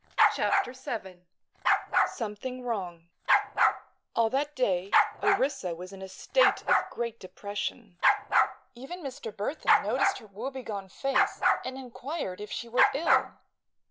CHAPTER VII SOMETHING WRONG All that day Orissa was in a state of great depression. Even Mr. Burthon noticed her woebegone face and inquired if she were ill.